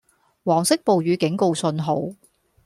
黃色暴雨警告信號